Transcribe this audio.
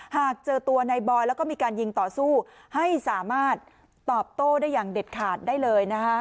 หากเจอตัวในบอยแล้วก็มีการยิงต่อสู้ให้สามารถตอบโต้ได้อย่างเด็ดขาดได้เลยนะคะ